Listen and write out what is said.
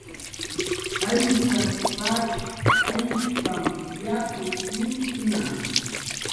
"Jaysat"" pachaw Aysh pamp yapus imktna"